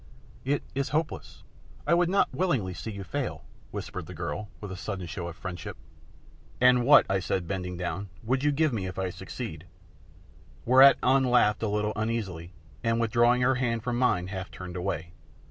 "It is hopeless, I would not willingly see you fail," whispered the girl, with a sudden show of friendship. "And what," I said, bending down, "would you give me if I succeeded?" Whereat An laughed a little uneasily, and, withdrawing her hand from mine, half turned away.